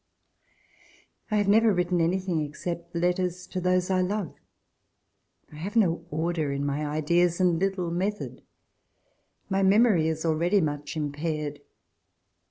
I have never written anything except letters to those I love. I have no order in my ideas, and little method. My memxory is already much impaired.